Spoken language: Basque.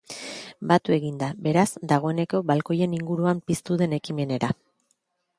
Batu egingo da, beraz, dagoneko balkoien inguruan piztu den ekimenera.